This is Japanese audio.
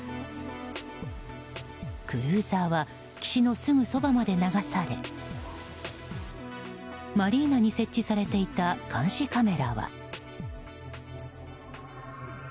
クルーザーは岸のすぐそばまで流されマリーナに設置されていた監視カメラは。